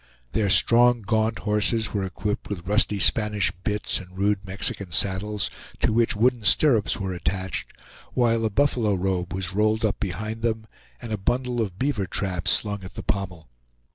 Their strong, gaunt horses were equipped with rusty Spanish bits and rude Mexican saddles, to which wooden stirrups were attached, while a buffalo robe was rolled up behind them, and a bundle of beaver traps slung at the pommel.